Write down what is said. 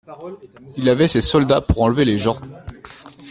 Il avait ses soldats pour enlever les gens.